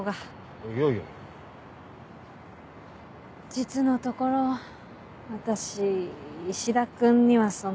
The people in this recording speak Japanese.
実のところ私石田君にはその。